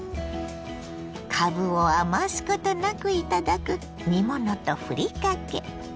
かぶを余すことなくいただく煮物とふりかけ。